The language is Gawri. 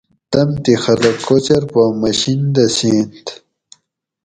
تمتھی خلۤق کوچر پا مشین دہ سِئینت